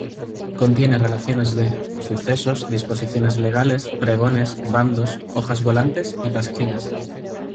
Contiene relaciones de sucesos, disposiciones legales, pregones, bandos, hojas volantes y pasquines.